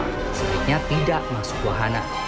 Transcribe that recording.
sebenarnya tidak masuk wahana